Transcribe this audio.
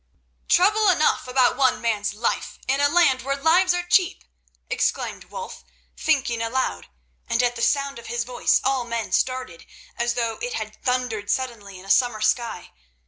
"Trouble enough about one man's life in a land where lives are cheap!" exclaimed Wulf, thinking aloud, and at the sound of his voice all men started, as though it had thundered suddenly in a summer sky.